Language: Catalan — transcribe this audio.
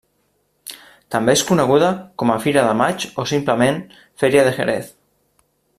També és coneguda com a Fira de maig, o simplement Feria de Jerez.